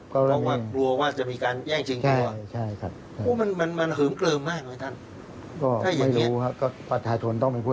เขากลัวว่าจะมีการแยกเชียงคลัว